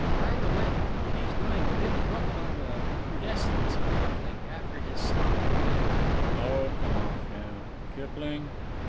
By the way, he's doing a big book on the recrudescence of Kipling, after his slump, and—" "Oh, come off, now! Kipling!